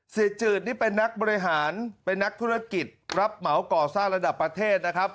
จืดนี่เป็นนักบริหารเป็นนักธุรกิจรับเหมาก่อสร้างระดับประเทศนะครับ